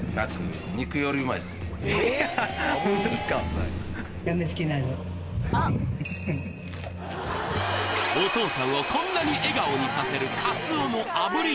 はいお父さんをこんなに笑顔にさせるカツオの炙り